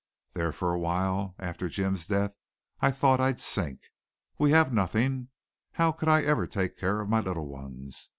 There for a while after Jim's death I thought I'd sink. We have nothing. How could I ever take care of my little ones?